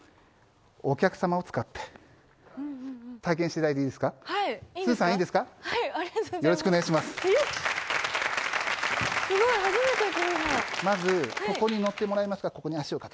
お客様を使って、体験していただはい、いいんですか？